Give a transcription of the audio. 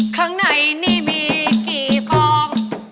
ข้างในนี่มีกี่ฟอง